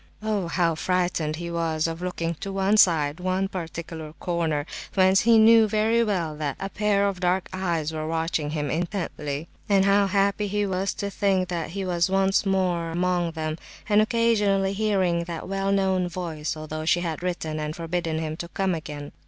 Oh, how frightened he was of looking to one side—one particular corner—whence he knew very well that a pair of dark eyes were watching him intently, and how happy he was to think that he was once more among them, and occasionally hearing that well known voice, although she had written and forbidden him to come again!